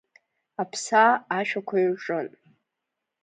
Аԥсаа ашәақәа ирҿын.